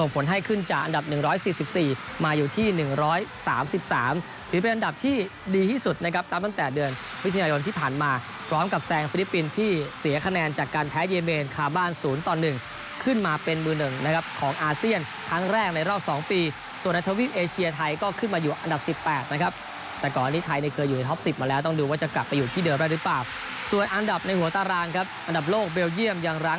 เป็นอันดับที่ดีที่สุดนะครับตั้งตั้งแต่เดือนวิทยาลงค์ที่ผ่านมาพร้อมกับแซงฟิลิปปินท์ที่เสียคะแนนจากการแพ้เยเมนคาบานศูนย์ต่อหนึ่งขึ้นมาเป็นมือหนึ่งนะครับของอาเซียนครั้งแรกในรอบสองปีส่วนในทวีปเอเชียไทยก็ขึ้นมาอยู่อันดับสิบแปดนะครับแต่ก่อนที่ไทยเนี่ยเคยอยู่ในท็อปสิบมา